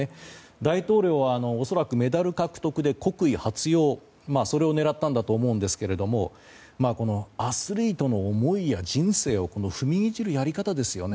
大統領は恐らくメダル獲得で国威発揚を狙ったんだと思うんですがアスリートの人生や思いを踏みにじるやり方ですよね。